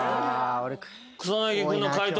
草薙君の解答